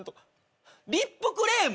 リップクレーム？